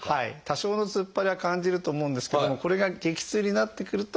多少の突っ張りは感じると思うんですけどもこれが激痛になってくると要注意と。